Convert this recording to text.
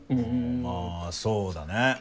まあそうだね。